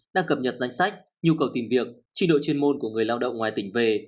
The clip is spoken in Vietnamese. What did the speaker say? đang cập nhật danh sách nhu cầu tìm việc trình độ chuyên môn của người lao động ngoài tỉnh về